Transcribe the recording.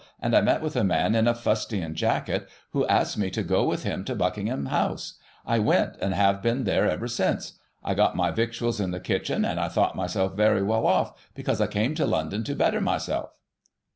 73 and I met with a man in a* fustian jacket, who asked me to go with him to Budcingham House. I went, and have been there ever since. I got my victuals in the kitchen, and I thought myself very well off, because I came to London to better myself.